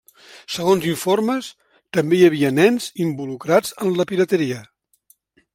Segons informes, també hi havia nens involucrats en la pirateria.